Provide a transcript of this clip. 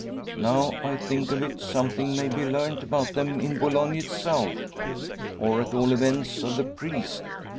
Now I think of it, something may be learnt about them in Boulogne itself; or at all events of the priest.